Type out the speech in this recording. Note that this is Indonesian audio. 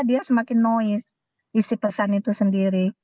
dia semakin noise isi pesan itu sendiri